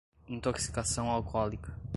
intoxicação alcoólica